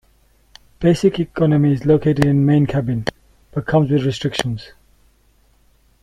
Basic economy is located in main cabin, but comes with restrictions.